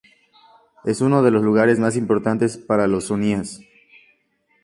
Es uno de los lugares más importantes para los sunníes.